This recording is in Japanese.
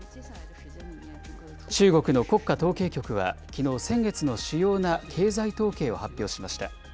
中国の国家統計局はきのう、先月の主要な経済統計を発表しました。